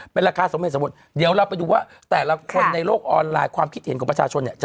เป็นราคาสมเหตุสมบทเดี๋ยวเราไปดูว่าแต่ละคนในโลกออนไลน์ความคิดเห็นของประชาชนเนี่ย